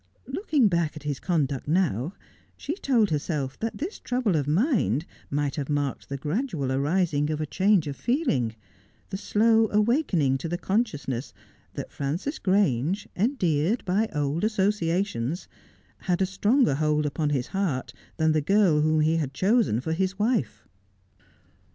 Looking back at his conduct now, she told herself that this trouble of mind might have marked the gradual arising of a change of feeling, the slow awakening to the consciousness that Frances Grange — endeared by old associations — had a stronger hold upon his heart than the girl whom he had chosen for his wife.